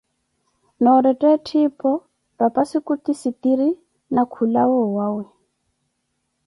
Noorettha etthipo rapasi khutizistiri, na khulawa owawe.